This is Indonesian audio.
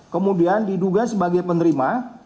kemudian diduga sebagai penerima